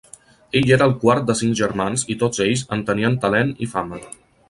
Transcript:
Ell era el quart de cinc germans i tots ells en tenien talent i fama.